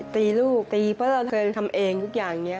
ตีลูกตีเพราะเราเคยทำเองทุกอย่างนี้